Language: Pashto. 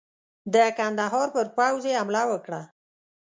د کندهار پر پوځ یې حمله وکړه.